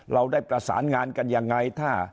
เราได้ประสานงานกันยังไง